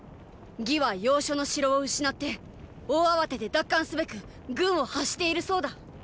魏は要所の城を失って大慌てで奪還すべく軍を発しているそうだ！